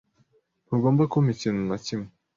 Ntugomba kumpa ikintu na kimwe.